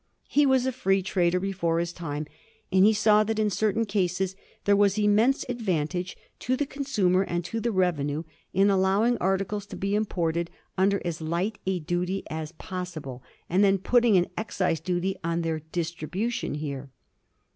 He was a free trader before his time, and he saw that in certain cases there was immense advantage to the consumer and to the revenue in allowing articles to be imported under as light a duty as possible, and then putting an excise duty on their distribution here.